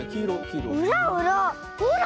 うらうらほら。